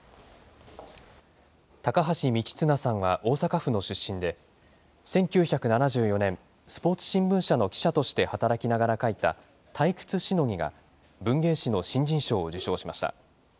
高橋三千綱さんは、大阪府の出身で、１９７４年、スポーツ新聞社の記者として働きながら書いた、退屈しのぎが文芸誌の新人賞を受賞しました。